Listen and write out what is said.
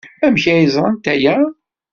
Amek ay ẓrant aya?